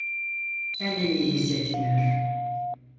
Kendini iyi hissetmiyor.